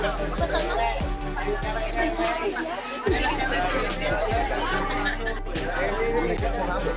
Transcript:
oh smpt di atas ya